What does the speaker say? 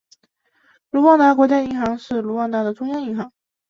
卢旺达国家银行是卢旺达的中央银行。